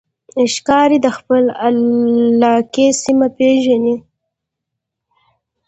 ښکاري د خپلې علاقې سیمه پېژني.